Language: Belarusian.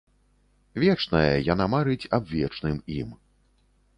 Вечная, яна марыць аб вечным ім.